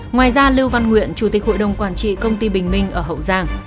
ngoài ra lưu văn nguyện chủ tịch hội đồng quản trị công ty bình minh ở hậu giang